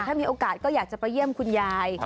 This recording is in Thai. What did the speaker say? ถ้ามีโอกาสก็อยากจะไปเยี่ยมคุณยาย